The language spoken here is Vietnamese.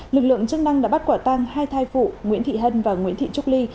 lực lượng chức năng đã bắt quả tăng hai thai phụ nguyễn thị hân và nguyễn thị trúc ly